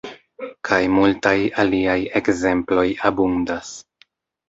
Kaj multaj aliaj ekzemploj abundas.